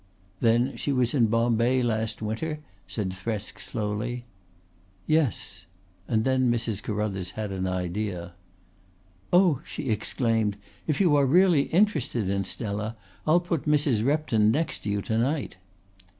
"Then she was in Bombay last winter?" said Thresk slowly. "Yes." And then Mrs. Carruthers had an idea. "Oh," she exclaimed, "if you are really interested in Stella I'll put Mrs. Repton next to you to night."